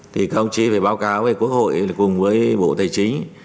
thì công chí phải báo cáo với quốc hội cùng với bộ tài chính